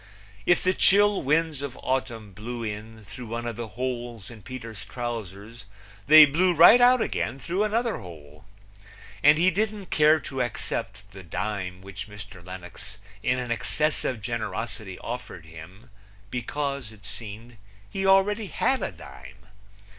If the chill winds of autumn blew in through one of the holes in Peter's trousers they blew right out again through another hole. And he didn't care to accept the dime which Mr. Lenox in an excess of generosity offered him, because, it seemed, he already had a dime.